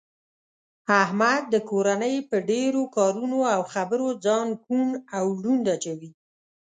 احمد د کورنۍ په ډېرو کارونو او خبرو ځان کوڼ او ړوند اچوي.